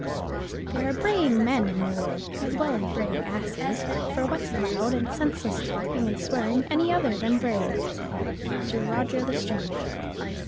There are braying men in the world, as well as braying asses; for what's loud and senseless talking and swearing any other than braying? _Sir Roger L'Estrange.